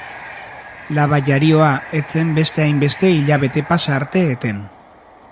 Laba jarioa ez zen beste hainbeste hilabete pasa arte eten.